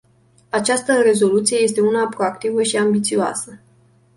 Această rezoluție este una proactivă și ambițioasă.